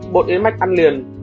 bột yến mạch ăn liền